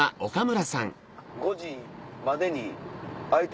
５時までに。